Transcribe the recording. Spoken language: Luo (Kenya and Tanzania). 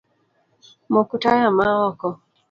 Mok taya maoko